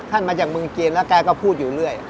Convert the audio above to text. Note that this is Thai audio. มาจากเมืองจีนแล้วแกก็พูดอยู่เรื่อย